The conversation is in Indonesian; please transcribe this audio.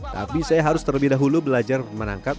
tapi saya harus terlebih dahulu belajar menangkap